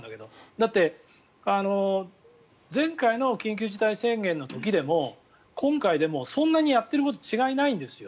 だって前回の緊急事態宣言の時でも今回でもそんなにやっていることは違いがないんですよ。